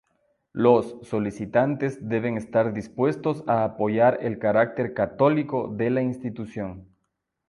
Los solicitantes deben estar dispuestos a apoyar el carácter católico de la institución.